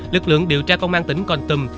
lực lượng điều tra công an tỉnh con tum